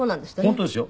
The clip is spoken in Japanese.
本当ですよ。